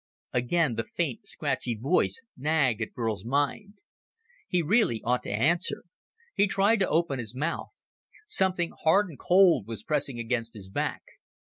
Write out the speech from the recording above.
Again the faint, scratchy voice nagged at Burl's mind. He really ought to answer. He tried to open his mouth. Something hard and cold was pressing against his back.